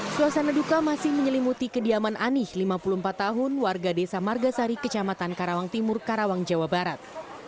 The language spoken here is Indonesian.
suasana duka masih menyelimuti kediaman anih lima puluh empat tahun warga desa margasari kecamatan karawang timur karawang jawa barat